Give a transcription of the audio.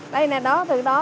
đây nè đó từ đó tới đó